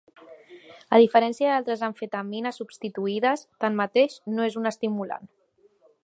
A diferència d'altres amfetamines substituïdes, tanmateix, no és un estimulant.